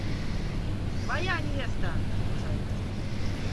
– Твоя невеста! – закричал Пугачев.